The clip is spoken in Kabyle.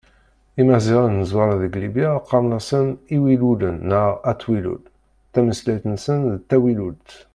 Imaziɣen n Zwaṛa deg Libya qqaren-asen Iwilulen neɣ At Wilul, tameslayt-nsen d tawilult.